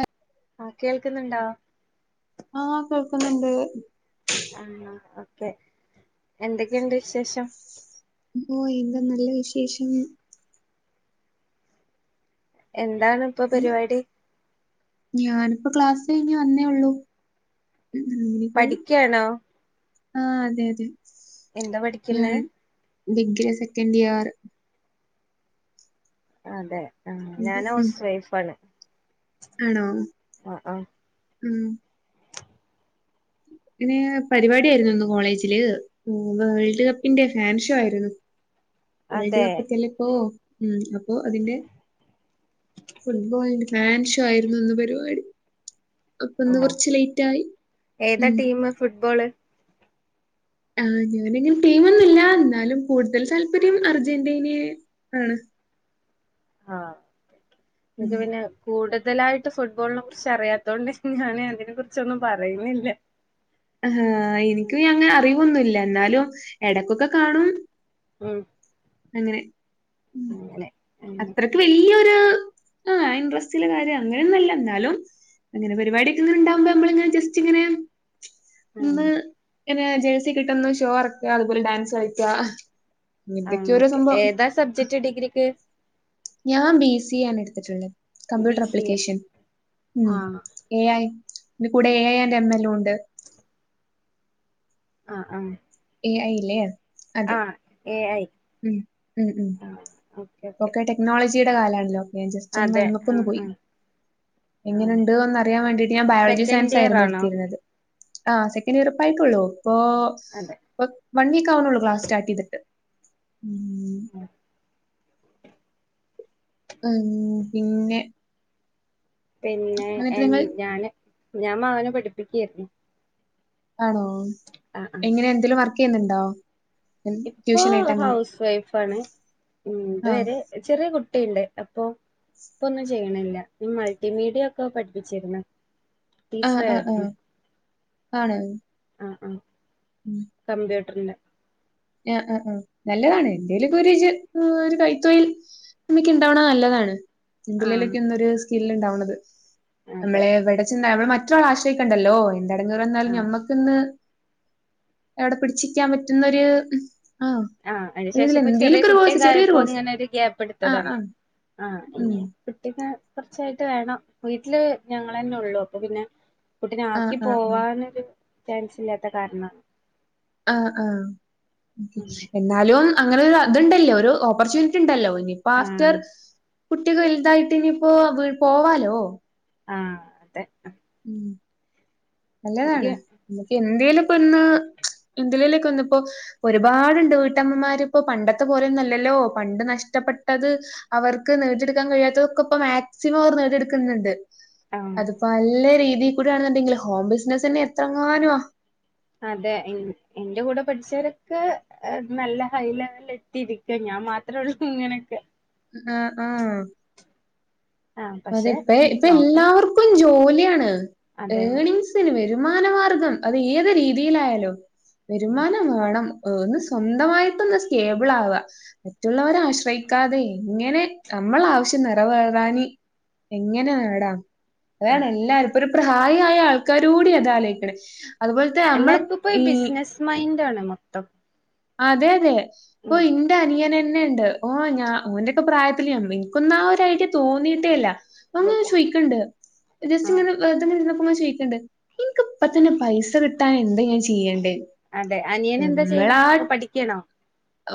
ആഹ ആഹ കേൾക്കുന്നുണ്ടോ ആഹ് കേൾക്കുന്നുണ്ട് ആ എന്തൊക്കെയുണ്ട് വിശേഷം അപ്പൊ എന്താ നല്ല വിശേഷം എന്താണ് ഇപ്പൊ പരിപാടി ഇപ്പൊ ക്ലാസ് കഴിഞ്ഞ് വന്നേ ഉള്ളു പഠിക്കാണോ ആഹ അതെ അതെ എന്താ പഠിക്കുന്നേ ഞാൻ ഡിഗ്രി സെക്കൻഡ് ഇയർ അതെ ആ ഞാൻ ഉം ഹൗസ് വൈഫ് ആണ് ആണോ അ ആ ഉം [inaudible] [unintelligible] പരിപാടി ആയിരുന്നുന്ന് കോളേജില് വേൾഡ് കപ്പിന്റെ ഫാൻ ഷോ ആയിരുന്നു വേൾഡ് അതെ കപ്പ് ചെലപ്പോ ഉ അപ്പോ അതിന്റെ ഫുട്ബോളിന്റെ ഫാൻ ഷോ ആയിരുന്നു ഇന്ന് പരിപാടി അപ്പൊ ഓ ഒന്ന് കുറച്ച് ലേറ്റ് ആയി ഏതാ ഉം ടീം ഫുട്ബോള് ആ ഞാനങ്ങനെ ടീമൊന്നുംല്ല എന്നാലും കൂടുതൽ താല്പര്യം അർജന്റീനയെ ആണ് ഉം. നിനിക്ക് പിന്നെ കൂടു കൂടുതലായിട്ട് ഫുട്ബോളിനെ കുറിച്ച് അറിയാത്തോണ്ട് ഞൻ അതിനെ കുുറിച്ചൊന്നും പറയുന്നില്ല അഹാ എനിക്ക് അങ്ങനെ അറിവൊന്നല്ല എന്നാലും എടക്കൊക്കെ കാണും ഉം ങ്ങനെ ങ്ങനെ അത്രയ്ക്ക് വല്ല്യ [inaudible] ആ ഇൻട്രസ്റ്റിലെ കാര്യം അങ്ങനെയന്നല്ല ഇന്നാലും അങ്ങനെ പരിപാടിക്കെ ഇങ്ങെനെ ണ്ടാവുമ്പോ നമ്മങ്ങനെ ജസ്റ്റ് ഇങ്ങനെ ആ ഇന്ന് ഇനെ ജേഴ്സി കിട്ടന്ന് ഷോ അറക്ക അതുപോലെ ഡാൻസ് കളിക്കാ ആ ഇതൊക്കെയോരോ ഓക്കെ സംഭവം ഏതാ സബ്ജക്ട് ഡിഗ്രിക്ക് ഞാൻ ബി സി ആണ് എടുത്തിട്ടുള്ളത് B computer C A application ഉം ആ എ ഐ ഇ കൂടെ A and M L O ഉണ്ട് ആ ആ ഏ അയില്ലേ ആഹ എ ഐ ഉം ഉം ഉം ആ ഓക്കെ ടെക്നോളജിയുടെ കാലാണല്ലോ ഞൻ ജസ്റ്റ് ഒന്ന് അതെ ഐമ ആ കൊന്ന് പോയി ആ ആ എങ്ങനെണ്ടോന്ന് അറിയാൻ വേണ്ടിട്ട് ഞാൻ ബയോളജി സെക്കൻഡ് ഇയർ സയൻസായിയിരുന്നു ആണോ എടുത്തിരുന്നത് ആ സെക്കൻഡിയറിപ്പറ യി ട്ടൊള്ളൂ പ്പൊ അതെ വൺ വീക്ക് ആവണള്ളൂ ക്ലാസ് സ്റ്റാർട്ട് ചെയ്തിട്ട് ഉം ഉം പിന്നെ പിന്നെ എന്നിട്ട് എൻ നിങ്ങൾ ഞാന് ഞാൻ മകനെ പഠിപ്പിക്കായിരുന്നു ആണോ ആ എങ്ങനെ എന്തേങ്കിലും വർക്ക് ചെയ്യുന്നുണ്ടോ ഉം ഇപ്പൊ ട്യൂഷനായിട്ട് അങ്ങനെ. ഹൗസ് വൈഫാണ് ഇ ആ. ഇതുവരെ ചെറിയ കുട്ടിയുണ്ട് അപ്പൊ ഇപ്പൊന്നും ചെയ്യണില്ല മൾട്ടിമീഡിയ ഒക്കെ പഠിപ്പിച്ചിരുന്ന് ആ ടീച്ചറേ ആ ആ. ഉം ആണ് ആ ആ ഉം. കമ്പ്യൂട്ടറിന്റെ അ ആ ആ ആനല്ലതാ [unintelligible] ഒരു ഒരു കൈത്തോഴിൽ നമ്മക്കിണ്ടാവണ നല്ലതാണ് ആ ഇതിലൊക്കെ ഇന്നരു സ്കില്ലു ണ്ടാവണത് അതെ നമ്മളെ എവിടെ ചന്നാ മറ്റൊരാളേ ആശയിക്കണ്ടല്ലോ എന്തടങ്ങുക ആ എന്നാലും നമ്മക്കിന്ന് എവിടെ പിടിച്ചിക്കാൻ പറ്റുന്നൊരു ആഹ് ആ അതിനു ഇതിൽ ശേഷപ്പൊ ചെറിയ എന്തേലൊക്കെ ഒരു കോഴ്സ് കുട്ടിയക്കെ ചെറിയൊരു ആയപ്പോ കോഴ്സ് അങ്ങനെ ഒരു ഗ്യാപ്പ് ആഹ് എടുത്തതാണ് ആഹ് ആ ഇ ഉം കുട്ടിക്കെ കുർച്ചയായിട്ട് വേണം വീട്ടില് ഞങ്ങളെന്നെ ള്ളൂ അപ്പൊ പിന്നെ കുട്ടി ആഹ് നെആക്കി ആഹ് ആഹ് പോവാാനൊരു ചാൻസ് ഇല്ലാത്ത കാരണാ ആ ആ എന്നാലും അങ്ങനെ ഒരു അതുണ്ടല്ലോ ഒരു ഓപ്പർച്യൂണിറ്റി ഉണ്ടല്ലോ ഇനിയിപ്പ ആഫ്റ്റർ ആഹ് കുട്ടിയൊക്കെ വലുതായിട്ട് ഇനിയിപ്പോ പോവാലോ ആ അതെ ളം നല്ലതാണ് എനിക്ക് നമ്മക്ക് ഇന്ത്യയില ഇപ്പൊ ഇന്ന് എന്തിലലേക്ക ഒന്നിപ്പോ ഒരുപാടുണ്ട് വീട്ടമ്മമാരിപ്പോ പണ്ടത്തെ പോലെയൊന്നല്ലല്ലോ പണ്ട് നഷ്ടം ഇഷ്ടപ്പെട്ടത് അവർക്ക് നേടിയെടുക്കാൻ കഴിയാത്തതൊക്കെ ഇപ്പ മാക്സിമം അവർ നേടിയെടുക്കുന്നുണ്ട് ആ അതിപ്പോ നല്ല രീതിയിൽ കൂടെ ആണെന്നുണ്ടെങ്കിൽ ഹോം ബിസിനസ് തന്നെ എത്രങ്ങാനമാ അതെ എന്റെ കൂടെ പഠിച്ചവരൊക്കെ നല്ല ഹൈലെവലിൽ എത്തിരിക്കുക ഞാൻ ഞാൻ മാത്രമേ ഉള്ളൂ ഇങ്ങനെയൊക്കെ ആ ആ ആഹ് അതെ പക്ഷെ ഇപ്പ ഉം ഇപ്പ നോക്കണം എല്ലാവർക്കും ജോലിയാണ് അതെ ഏണിങ്സിന് വേ- വരുമാനമാർഗം അത് ഏത് രീതിയിലായാലും വരുമാന വേണം ഒന്ന് സ്വന്തമായിട്ടന്ന് ഒന്ന് സ്കേബിൾ ആവ മറ്റുള്ളവരെ ആശ്രയിക്കാതെ എങ്ങനെ നമ്മൾ ആവശ്യം നിറവേറാന് എങ്ങനെ നേടാം ഉം അതാണ് എല്ലാരും ഇപ്പൊ ഒരു പ്രായായ ആൾക്കാരു കൂടി അത് ആലോയ്ക്ക്ണെ എല്ലാർക്കും ഇപ്പോ ബിസിനസ് മൈൻഡ് ആണ് മൊത്തം അതെ അതെ ഇപ്പൊ ഉം ഇന്റ അനിയനെ ന്നെണ്ട് ഓ ഞാൻ ഓന്റെക്കെ പ്രായത്തില് ഞാ എൻക്കൊന്ന ആ ഒരു ഐഡയ തോന്നീട്ടേല്ല ങ്ങനെ ചോയിക്കണ്ട് ജസ്റ്റ് ആഹ് ഇങ്ങനെ വെർതെങ്ങനെ ഇരു- ചോയ്ക്ണ്ട് ഇൻക്ക് ഇപ്പ തന്നെ പൈസ കിട്ടാൻ എന്താ ഞാൻ ചെയ്യണ്ടേ അതെ അനിയൻ എന്താ ചെയ്യുന്ന ഇപ്പൊ പഠിക്കണോ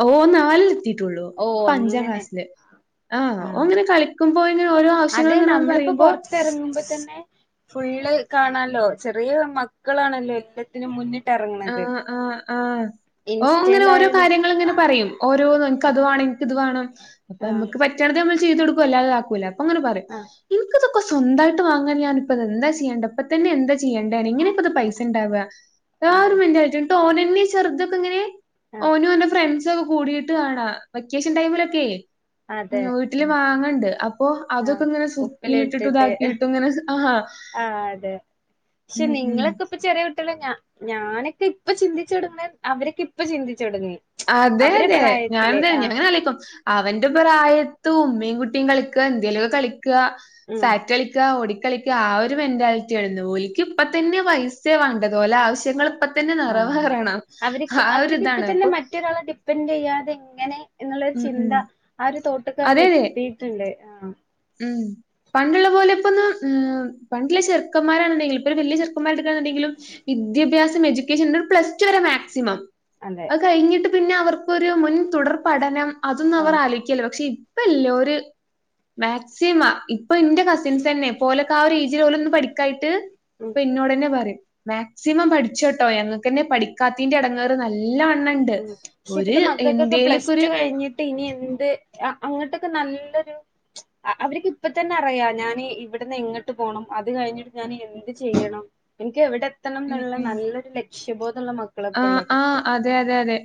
ഓ നാലിൽ എത്തീട്ടുള്ളൂ ഓ ഇപ്പഞ്ചാം അങ്ങനെ ക്ലാസ്സില് ആ ആഹ് ഓങ്ങനെ കളിക്കുമ്പോ ഇങ്ങനെ ഓരോ അതെ ആവശ്യങ്ങള് ഇങ്ങനെ വന്ന് നമ്മളിപ്പോ പറയുമ്പോ പൊറത്തെറങ്ങുമ്പോ തന്നെ ഫുള്ള് കാണാലോ ചെറിയ മക്കളാണല്ലോ എല്ലത്തിനും മുന്നി ആ ആ ആ ഓങ്ങനെ ഓരോ ഇൻസ്റ്റയിലായാലും കാര്യങ്ങൾ ഇങ്ങനെ പറയും ഓരോ കത് വാണം ഇൻക്കിത് വാണം അപ്പൊ ആഹ് നമക്ക് പറ്റ്ണതമ്മള് ചെയ്തൊടക്കും അല്ലാതാക്കൂല ഓങ്ങനെ പറിം ആഹ് ഇൻക്കിതൊക്കെ സ്വന്തായിട്ട് വാങ്ങാൻ ഞാനിപ്പതെന്താ ചെയ്യണ്ടെ അപ്പതന്നെ എന്താ ചെയ്യേണ്ടാന് ഇങ്ങനെപ്പത് അത് ആഹ് പൈസണ്ടാവ ആ ഒരു അതെ മെന്റലിറ്റ്യാണ് ഇന്നിട്ട് ഓനെന്നെ ചെർതൊക്കെ ഇങ്ങനെ ആഹ് ഓനു ഓന്റെ ഫ്രണ്ട്സ ഒക്കെ കൂടീട്ട് കാണാ വെക്കേഷൻ ടൈമിലൊക്കെ ഉം അതെ വീട്ടില് ആഹ് വാങ്ങണ്ട് അപ്പൊ അതൊക്കെ ആഹ് ഇങ്ങനെ സുർക്കിലിട്ടിട്ട് ഇതാക്കിട്ടും ഇങ്ങനെ ആ ആ അതെ ഷെ ഉം. നിങ്ങളൊക്കെ ഇപ്പൊ ചെറ്യെ ഞാനൊക്കെ ഇപ്പൊ ചിന്തിച്ചടുടങ്ങ്ണെ അവരൊക്ക ഇപ്പ ചിന്തി അതെ അതെ ഞാനെന്നെ ആഹ് ഞാനിങ്ങനാലോയ്ക്കും അവൻ എന്റെ പ്രായത്ത് ഉമ്മിം കുട്ടിം കളിക്ക എന്തേലൊക്കെ കളിക്ക ഉം സാറ്റ് കളിക്ക ഓടി കളിക്ക ആ ഒരു മെന്റാലിറ്റി ആണ് ഇന്ന് ഓൽക്ക് ഇപ്പ തന്നെ പൈസേ വാണ്ടതു ഓലാവ്ശ്യങ്ങൾ അപ്പ തന്നെ ആഹ് നിറെവേറണം ആ ഒരു ഇതാണ് ഇപ്പൊ ഡിപ്ന്റെയ്യാതെ എങ്ങനെ എന്നുള്ളരു ഉം, ഉം. ചിന്ത ആ ഒരു അതെ, തോട്ട്ക്കവര് അതെ. എത്തിയിട്ടിണ്ട് ആ ഉം പണ്ടിള്ള പോലെ ഇപ്പൊന്നും പണ്ടിള്ള ചെർക്കന്മാരാണാണ്ടെങ്കിൽ ഇപ്പൊ ഒരു വലിയ ചെുക്കന്മാരെട്ക്കാന്നിണ്ടെങ്കിലു വിദ്യാഭ്യാസം എജ്യുക്കേഷൻ പ്ലസ് ടു വരെ മാക്സിമം അതെ അകയിഞ്ഞിട്ട് പിന്നെ അവർക്കൊരു മുൻ തുടർ പഠനം അതൊന്നും അവർ ആഹ് ആലോക്കല പക്ഷെ ഇ ഇപ്പല്ലോര് മാക്സിമ ഇപ്പൊ ഇന്റെ കസിൻസെന്നെ ഇപോലൊക്കെ ആ ഒരു ഏജിൽ പോലെ ഒന്നും പഠിക്കായിട്ട് ഉം പിഇന്നോടെന്നെ പറയും മാക്സിമം പഠിച്ചോട്ടോ ഞങ്ങക്കെന്നെ പഠിക്കാത്തീന്റെ എടങ്ങേറ് നൽ ഉം പക്ഷെ ഇപ്പത്തെ മക്കൾക്കൊക്കെ പ്ലസ് എന്തേലൊക്കെ ഒരു ടു കഴിഞ്ഞിട്ട് ഇനി എ [unintelligible] അങ്ങട്ടൊക്കെ നല്ലൊരു അവർക്ക് ഇപ്പത്തന്നെറിയ ഞാൻ ഇവിടുന്ന് എങ്ങ പോണം അത് കഴിഞ്ഞിട്ട് ഞാൻ എന്ത് ചെയ്യണം എനിക്ക് എവിടെ എത്തണം ഉം എന്നുള്ള ഉം. നല്ലൊരു ലക്ഷ്യബോധം ആ ആ അതെ അതെ അതെ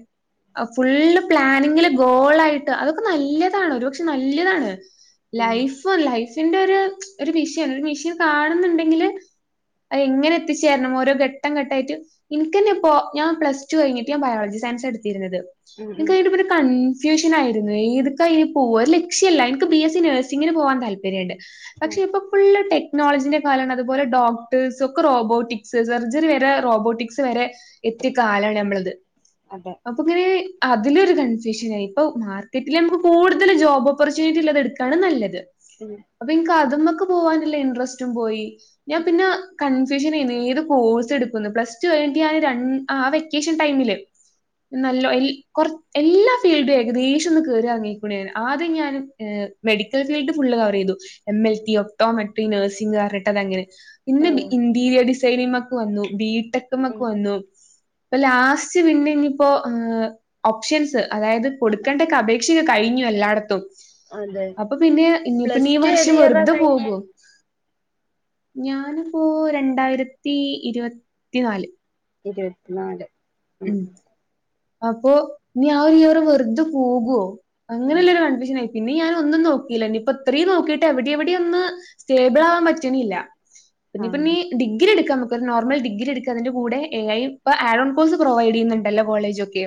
ഫുള്ള് പ്ലാനിങ്ങില് ഗോള ആയിട്ട് അതൊക്കെ നല്ലതാണ് ഒരുപക്ഷെ നല്ലതാണ് ഉം ലൈഫ് ലൈഫിന്റെ ഒരു ഒരു മിഷീൻ ഒരു മിഷീൻ കാണുന്നുണ്ടെങ്കില് അ എങ്ങനെ എത്തിച്ചേരണം ഓരോ ഘട്ടം ഘട്ടായിട്ട് ഇൻക്കെന്നെ ഇപ്പോ ഞാൻ പ്ലസ ടു കഴിഞ്ഞിട്ട് ഞാൻയോളജി സയൻസ് എടുത്തിരുന്നത് നിനക്ക് അ ഉം ഒരു ക കൺഫ്യൂഷനായിരുന്നു ഏത്ക്കാനിപോവ്വാ ഒരു ലക്ഷ്യല്ല നിക്ക് ബി എസ് സി നഴ്സിങ്ങിന് പോവാൻ താല്പര്യണ്ട് ഉം പക്ഷെ ഇപ്പൊ ഫുള്ള് ടെ നോളജിന്റെ കാലമാണ് അതുപോലെ ഡോക്ടേഴ്സ് ഒക്കെ റോബോട്ടിക്സ് സർജറി വരെ റോബോട്ടിക്സ് വരെ എത്തിയ കാലാണ് നമ്മളത് അതെ അപ്പൊങ്ങനെ അതിലൊരു കൺഫ്യൂഷനായി ഇപ്പൊ മാർക്കറ്റില് നമുക്ക് കൂടുതൽ ജോബ് ഓപ്പർച്യൂണിറ്റി ഉള്ളത് എടുക്കാണ് നല്ലത് ഉം അപ്പൊനിക്ക് അത്മ്മക്ക് പോവാനില്ലേ ഇൻട്രസ്റ്റും പോയി ഞാൻ പിന്നെ കൺഫ്യൂഷനെയ്ന്ന് ഏത് കോഴ്സ് എടുക്കുന്ന് പ്ലസ് ടു കഴിഞ്ഞിട്ട് ഞാൻ ര ആ വെക്കേഷൻ ടൈമില് നല്ല എല് കൊർ എല്ലാ ഫീൽഡും ഏകദേശം ഒന്ന് കയറി അറങ്ങിക്ക്ണാൻ ആദ്യം ഞാൻ ഏ മെഡിക്കൽ ഫീൽഡ് ഫുള് കവറെയ്തു എം എൽ ടി ഒക്‌റ്റോമെറ്ററി നഴ്സിംഗർഞ്ഞിട്ട് അത് അങ്ങനെ പിന്നെ ഓഹ് ഇന്റീരിയർ ഡിസൈനിങ്മക്ക് വന്നു ഉം ബീടെകമക്ക് വന്നു ഇപ്പൊ ലാസ്റ്റ് പിന്നെനിപ്പോ ഓപ്ഷൻസ് അതായത് കൊടുക്കേണ്ടക്കെ അപേക്ഷ കഴഞ്ഞു എല്ലാടത്തും അതെ അപ്പൊ പിന്നെ പ്ലസ് ഇനിയിപനീ ടു ഏത് വർഷം ഇയറാ വെറുതെ കഴിഞ്ഞേ പോകും ഞാനിപ്പോ രണ്ടായിരത്തി ഇരുപത്തി നാല് ഇരുപത്തി നാല് ഉം അപ്പോ ഇനി ആഒരു ഇയർ വെറുതെ പോകുവോ ആഹ് അങ്ങനെയുള്ളോരു കൺഫ്യൂഷൻ ആയി പിന്നെ ഞാനൊന്നും നോക്കിയില്ലനിപ്പ ഇത്രയും നോക്കിയിട്ട് എവിടെ എവിടെയോന്ന് സ്റ്റേബിൾ ആവാൻ പറ്റണില്ല പിന്നെ ഇപ്പനീ ആഹ് ഡിഗ്രി എടുക്കാം നമുക്കൊ നോർമൽ ഡിഗ്രി എടുക്കാം അതിന്റെ കൂടെ എ ഐ ഇപ്പൊ ആ കോഴ്സ് പ്രൊവൈഡ് ചെയ്യുന്നുണ്ടല്ലോ കോളേജ് ഒക്കെൊ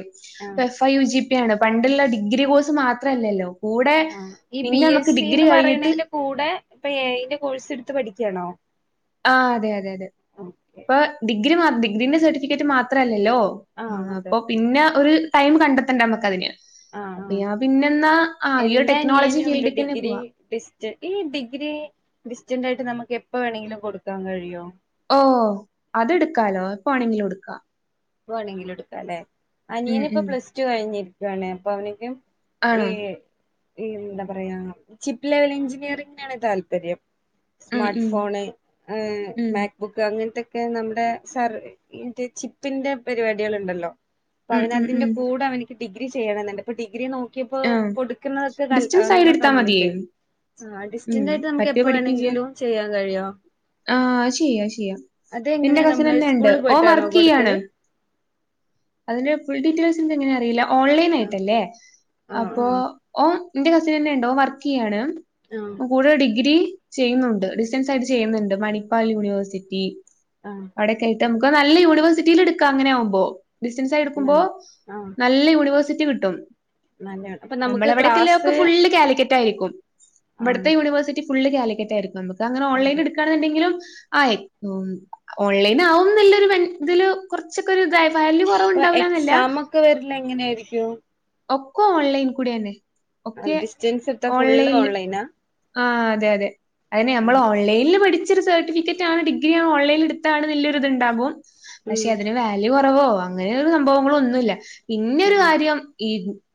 ആഹ് എഫ് ഐ യു ജിപി യാണ് പണ്ടുള്ള ഡിഗ്രി കോഴ്സ് മാത്രല്ലല്ലോ കൂടെ ആ ഈ ബി പിന്നെ എസ് നമുക്ക് ഡിഗ്രി സിന്ന് കഴിഞ്ഞിട്ട് പറയുന്നതിന്റെ കൂടെ ഇപ്പൊ എ ഐ ന്റെ കോഴ്സ് എടുത്ത് പഠി ഠിക്കണോ ആ അതെ അതെ അതെ അപ്പൊ ഡിഗ്രി മാ ഡിഗ്രീന്റെ സർട്ടിഫിക്കറ്റ് മാത്രല്ല ല്ലോ ആഹ് അതെ അപ്പൊ പിന്നെ ഒരു ടൈം കണ്ടെത്തണ്ട നമ്മക്ക് അതിന് ആ ആ ഈ ഒരു എന്റെ ടെക്നോളജി അനിയനുണ്ട് ഫീൽഡിക്കന്നെ ഡിഗ്രി പോവാ. ഡിസ്റ്റ് ഈ ഡിഗ്രി ഡിസ്റ്റന്റ് ആയിട്ട് നമുക്ക് എപ്പ വേണെങ്കിലും കൊടുക്കാൻ കഴിയോ ഓ അതെടുക്കാലോ എപ്പോ വാണെങ്കിലും എടുക്കാ പോവാണെങ്കിൽ എടുക്കാല്ലെ ഉം അനിയനിപ്പൊ ഉം പ്ലസ് ടു കഴിഞ്ഞിരിക്കുവാണ് അപ്പൊ അവനിക്കും ഈ ആണോ? എന്താ പറയാ ചിപ്പ് ലെവൽ എഞ്ചിനീയറിങ്ങിനാണ് താല്പര്യം ഉം സ്മാർട്ട് ഉം ഫോണ് ഉം മാക്ബുക്ക് അങ്ങനത്തെ ഒക്കെ നമ്മുടെ സർ ചിപ്പിന്റെ പരിപാടികൾുണ്ടല്ലോ അപ്പൊ ഉം ഉം അവനതിന്റെ ഉം കൂടെ അവനിക്ക് ഡിഗ്ര ചെയ്യണെന്നുണ്ട് ഇപ്പൊ ഡിഗ്രി നോ എ ഇപ്പൊ ആഹ് കൊടുക്കുന്നതൊക്കെ ഡിസ്റ്റൻസ് ആയിട്ട് എല്ലാം എടുത്താ കംപ്ലീറ്റ് മതിയേ ആയി ആ ഉം ഡിസ്റ്റൻറ് ആയിട്ട് നമുക്ക് എപ്പ വേണമെങ്കിലും ചെയ്യാൻ കഴിയോ ആഹ ചെയ്യ ചെയ്യാം അത് എന്റെ എങ്ങനെയാ നമ്മള് കസിൻന്നെ ഉണ്ട് സ്കൂളിൽ ഓൻ പോയിട്ടാണോ വർക്ക് ചെയ്യ കൊടുക്കല് അതിന്റെ ഫുൾ ഡീറ്റെൽസ്‌ എന്തങ്ങന അറിയില്ല ഓൺലൈൻ ആ ആയിട്ടല്ലേ ആ അപ്പൊ ആ ഓ എന്റെ കസിൻ തന്നെണ്ട് ഓൻ വർക്ക് ചെയ്യണ് ആ കൂടുതൽ ഡിഗ്രി ചെയ്യുന്നുണ്ട് ഡിസ്റ്റാൻസ് ആയിട്ട് ചെയ്യുന്നുണ്ട് മണിപ്പാൽ യൂണിവേഴ്സിറ്റി ആഹ് അവിടെ കേട്ട് നമുക്ക് നല്ല യൂണിവേഴ്സിറ്റിൽട്ക്കാം അങ്ങനെ ആകുമ്പോ ഡിസ്റ്റൻസ് ആയി എടുക്കുമ്പോ നൽ ആഹ് നല്ല യൂണിവേഴ്സിറ്റി കിട്ടും നല്ലയാണ് അപ്പൊ നമുക്ക് നമ്മളവിടെക്കെല്ല ക്ലാസ് ഒക്കെ ഫുള്ള് കാലിക്കറ്റ് യിരിക്കും ആഹ് ഇവിടുത്തെ യൂണിവേഴ്സിറ്റി ഫുള് കാലിക്കറ്റായിരിക്കും നമക്ക് അങ്ങനെ ഓൺലൈൻ അതെ എടു ങ്കിലും ആ [inaudible] ഓൺലൈന ആവുംന്ല്ലൊരു ഇതില് കുറച്ചൊക്കെ ഇതായ വാല്യ അപ്പൊ കുറവുണ്ടാവില്ലന്നല്ല എക്സാം ഒക്കെ വരില്ല [unintelligible] ഒക്ക ഓൺലൈൻ കുടിയാണ് അ ഡിസ്റ്റൻസ് എത്രാ ഫുള്ള് ഓൺലൈനാ ആ അതെ അതെ അതിന് നമ്മൾ ഉം ഓൺലൈനിൽ പഠിചോരു സർട്ടിഫിക്കറ്റ്ണ് ഡിഗ്രിയാ ഓൺലൈൻ എടുത്താണ് നല്ലൊര്ത്ണ്ടാകും പക്ഷെ അതിന് വാല്യൂ കുറവോ അങ്ങനെ സംഭവങ്ങളോന്നുല്ല പിന്നെരു ഉം കാര്യം ഈ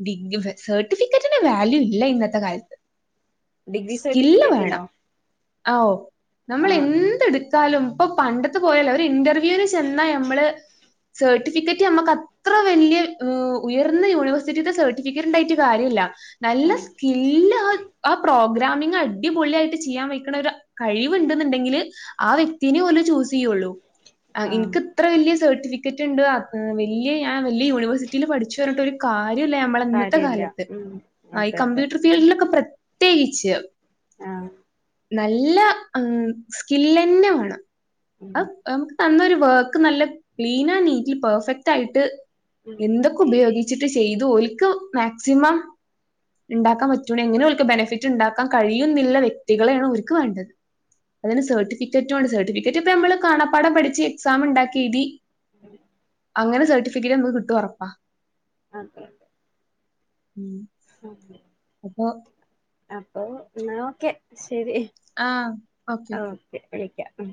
ഡിഗ സർട്ടിഫ റ്റന് വാല്യൂ ഇല്ല ഇന്നത്തെ കാലത്ത് ഡിഗ്രി സ്കില് സർട്ടിഫിക്കറ്റിനോ വേണം ആഓ നമ്മൾ ആഹ് എന്തെടുക്കാലും ഇപ്പൊ പണ്ടത്തെ പോയാല ഇന്റർവ്യൂൽ ചെന്നാ നമ്മള് സർട്ടിഫിക്കറ്റ് നമ്മുക്ക് അത്ര വലിയ ഉയർന്ന യൂണിവേഴ്സിറ്റിയുടെ സർട്ടിഫ ട്ട് കാര്യല്ല നല്ല ആഹ് സ്ക പ്രോഗ്രാമിംഗ അടിപൊളിയ ആയിട്ട് ചെയ്യാൻ വെക്കണ ഒരു കഴിവ്ണ്ടെന്നുണ്ടെങ്കില് ആ വ്യക്തിെ പോല ചൂസേയുള്ളു അ നിൻക് ആഹ് ഇത്ര വലിയ സർട്ടിഫിക്കറ്റ് ഉണ്ട് വലിയ ഞാൻ വലിയ യൂണിവേഴ്സിറ്റിയിൽ പഠിച്ചു പറഞ്ഞിട്ട് ഒരു കാര്യമല്ലേ നമ്മള ഇന്നത്തെ കാര്യല്ല കാലത്ത് ഉം ആ ഈ അതെ അതെ കമ്പ്യൂട്ടർ ഫീൽഡിലൊക്കെ പ്രത്യേകിച്ച് ആഹ് നല്ല സ്കിൽ തന്നെ വേണം ഉം നമക്ക് തന്നൊരു വർക്ക് നല്ല ക്ലീൻ ആൻഡ് നീറ്റ് പെർഫെക്റ്റ് ആയിട്ട് ഉം എന്തൊക്കെ ഉപയോഗി ചിട്ട് ചെയ്തു ഒക്ക് മാക്സിമം ഉണ്ടാക്കാൻ പറ്റ എങ്ങനെ അവക്ക് ബെനഫിറ്റ് ഉണ്ടാക്കാൻ കഴിയുന്നില്ല വ്യക്തികളെയാണ് അവർക്ക് വേണ്ടത് അതിന് സർട്ടിഫിക്കറ്റുംണ്ട് സർട്ടിഫിക്കറ്റ് ഇപ്പ നമ്മള് കാണപ്പാഠം പഠിച്ച് എക്സാം ഉണ്ടാക്കിയ എഴുതി ഉം അങ്ങനെ സർട്ടിഫിക്കറ്റ് നമ്മക്ക് കിട്ടുഉറപ്പാ അതെ ഉം അപ്പൊ അപ്പൊ ന ഒക്കെ ശരി ഓക്കെ വിളിക്കാം ഉ